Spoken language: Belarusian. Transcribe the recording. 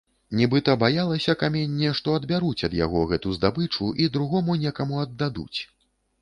Нібыта баялася каменне, што адбяруць ад яго гэту здабычу ды другому некаму аддадуць.